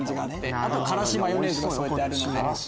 あとからしマヨネーズが添えてある。